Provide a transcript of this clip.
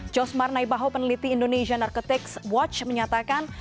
josmar naibaho peneliti indonesian narcotics watch menyatakan